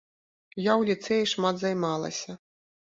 Я ў ліцэі шмат займалася.